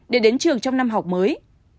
để đến trường trong năm học mới